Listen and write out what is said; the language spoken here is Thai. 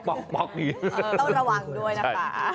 ต้องระวังด้วยนะคะ